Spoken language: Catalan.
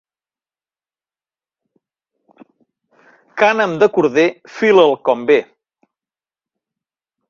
Cànem de corder, fila'l com ve.